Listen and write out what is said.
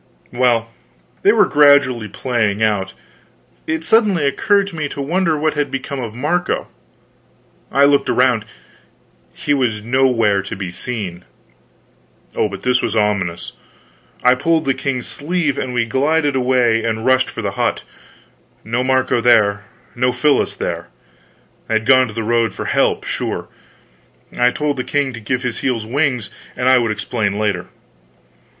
Well, while they were gradually playing out, it suddenly occurred to me to wonder what had become of Marco. I looked around; he was nowhere to be seen. Oh, but this was ominous! I pulled the king's sleeve, and we glided away and rushed for the hut. No Marco there, no Phyllis there! They had gone to the road for help, sure. I told the king to give his heels wings, and I would explain later.